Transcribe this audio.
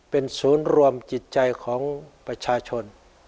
เป็นศูนย์รวมจิตใจของประชาชน